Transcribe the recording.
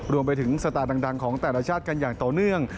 รวมไปถึงสตาร์ดังของแต่ละชาติกันอย่างต่อเนื่อง